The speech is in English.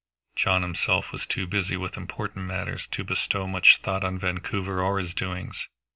John himself was too busy with important matters to bestow much thought on Vancouver or his doings.